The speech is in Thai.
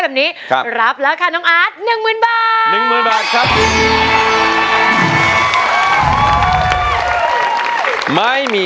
เพลงที่๑มูลค่า๑หมื่นบาท